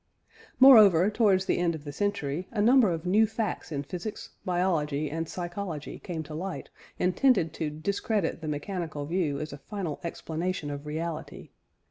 Moreover, towards the end of the century, a number of new facts in physics, biology, and psychology came to light and tended to discredit the mechanical view as a final explanation of reality.